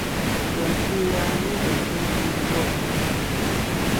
Pùen pî, yâ-nùn pue nkiém yu i mbuembue.